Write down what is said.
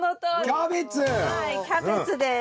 はいキャベツです。